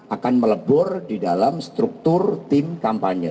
akan melebur di dalam struktur tim kampanye